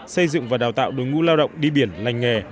xây dựng và đào tạo đối ngũ lao động đi biển lành nghề